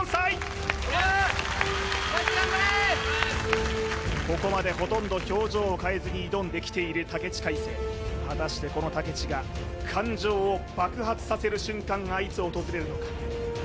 海青頑張れここまでほとんど表情を変えずに挑んできている武知海青果たしてこの武知が感情を爆発させる瞬間がいつ訪れるのか？